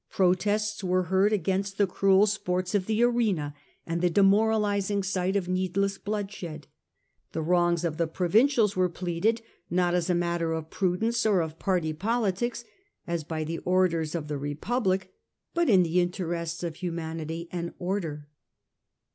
Protests were heard against the cruel sports of the arena and the demoralizing sight of needless bloodshed; the wrongs of the provincials were pleaded, not as a matter of prudence or of party politics, as by the orators of the Republic, but in the interests of humanity and order.